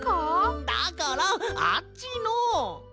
んだからあっちの。